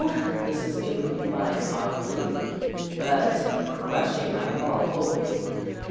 the sister would reply softly, but crushing out all hope.